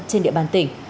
trên địa bàn tỉnh